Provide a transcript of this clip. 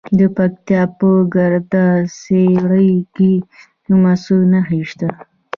د پکتیا په ګرده څیړۍ کې د مسو نښې شته.